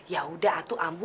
yaudah atuh ambu